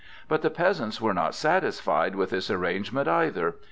But the peasants were not satisfied with this arrangement either.